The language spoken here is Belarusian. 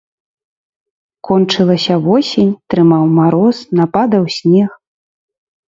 Кончылася восень, трымаў мароз, нападаў снег.